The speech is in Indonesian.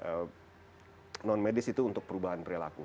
oke kalau yang relawan non medis itu untuk perubahan perilaku